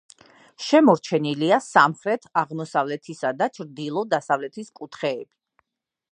შემორჩენილია სამხრეთ-აღმოსავლეთისა და ჩრდილო-დასავლეთის კუთხეები.